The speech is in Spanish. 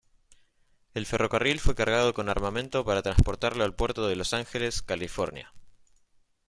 El ferrocarril fue cargado con armamento para transportarlo al puerto de Los Ángeles, California.